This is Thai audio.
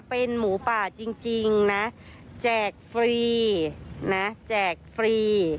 เป็นหมูป่าจริงนะแจกฟรีนะแจกฟรี